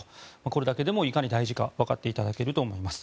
これだけでもいかに大事かわかっていただけると思います。